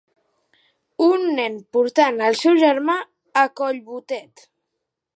Un nen portant el seu germà a collbotet.